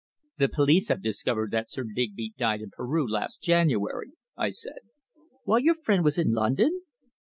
"The police have discovered that Sir Digby died in Peru last January," I said. "While your friend was in London?"